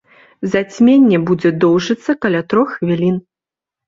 Зацьменне будзе доўжыцца каля трох хвілін.